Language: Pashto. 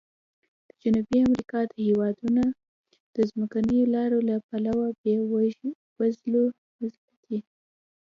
د جنوبي امریکا هېوادونه د ځمکنیو لارو له پلوه بې وزلي دي.